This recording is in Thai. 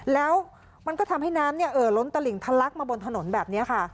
แล้วมันก็ทำให้น้ำล้นตลิ่งทะลักมาบนถนนแบบนี้ค่ะ